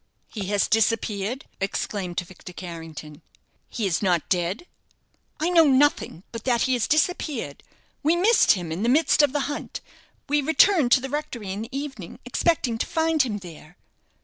"He has disappeared!" exclaimed Victor Carrington; "he is not dead?" "I know nothing but that he has disappeared. We missed him in the midst of the hunt. We returned to the rectory in the evening, expecting to find him there."